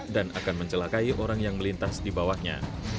dan akan mencelakai orang yang melintas di bawahnya